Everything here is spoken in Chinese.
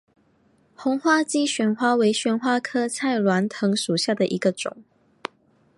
红花姬旋花为旋花科菜栾藤属下的一个种。